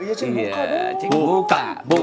iya ceng buka dong